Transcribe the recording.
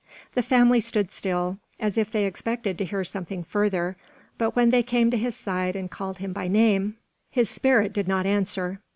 The family stood still, as if they expected to hear something further; but when they came to his side and called him by name, his spirit did not answer.